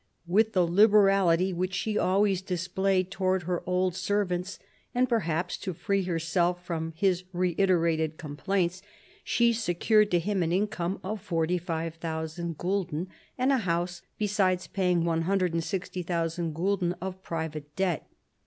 With the liberality which she always displayed towards her old servants, and perhaps to free herself from his reiterated com plaints, she secured to him an income of 45,000 gulden and a house, besides paying 160,000 gulden of private debt.